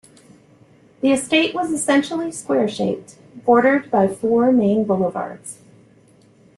The estate was essentially square-shaped, bordered by four main boulevards.